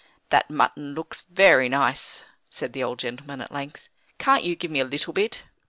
"That mutton looks very nice," said the old gentleman, at length. "Can't you give me a little bit?"